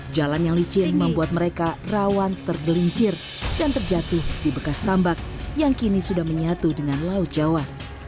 jalan yang licin membuat mereka rawan tergelincir dan terjatuh di bekas tambak yang kini sudah menyatu dengan laut jawa